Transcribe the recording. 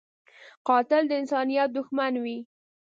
قاتل د انسانیت دښمن وي